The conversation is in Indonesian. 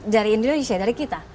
dari indonesia dari kita